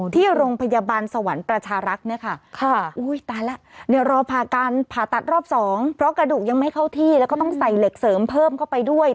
ที่โรงพยาบาลสวรรค์ประชารักษ์เนี่ยค่ะอุ้ยตายแล้วเนี่ยรอผ่าการผ่าตัดรอบสองเพราะกระดูกยังไม่เข้าที่แล้วก็ต้องใส่เหล็กเสริมเพิ่มเข้าไปด้วย